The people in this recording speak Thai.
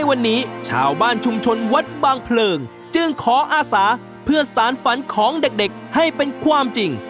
วันนี้ชาวบ้านชุมชนวัดบางเพลิงจึงขออาศาเพื่อสารฝันของเด็กให้เป็นความจริง